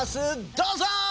どうぞ！